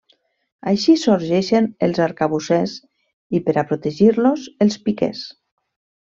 Així sorgeixen els arcabussers i, per a protegir-los, els piquers.